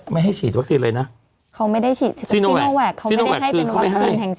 ไม่ให้ฉีดวัคซีนเลยนะเขาไม่ได้ฉีดซิโนแวคเขาไม่ได้ให้เป็นวัคซีนแห่ง